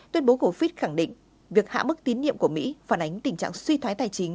tuyên bố của fit khẳng định việc hạ mức tín nhiệm của mỹ phản ánh tình trạng suy thoái tài chính